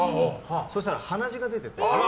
そしたら鼻血が出てて。